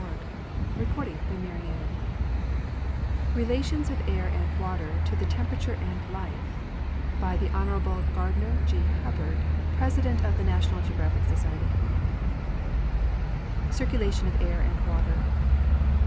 MEMOIRS AND ADDRESSES EELATIONS OF AIR AND WATER TO TEMPERATURE AND LIFE BY HONORABLE GARDINER G. HUBBARD PRESIDENT OF THE NATIONAL GEOGRAPHIC SOCIETY Circulation of Air and Water.